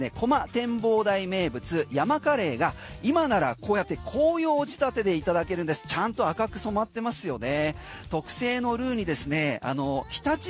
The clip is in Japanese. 展望台名物山カレーが今ならこうやって紅葉仕立てでいただけるんですちゃんと赤く染まってますよね。